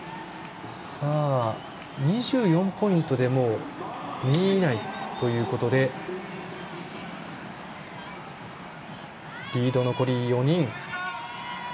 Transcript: ２４ポイントでもう２以内ということでリード残り４人。